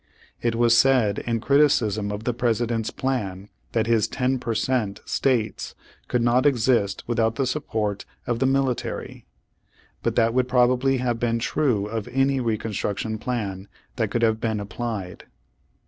It was said in criticism of the President's plan that his "ten per cent." states could not exist without the support of the mill Page One Hundred forty seven tary. But that would probably have been true of any Reconstruction plan that could have been applied.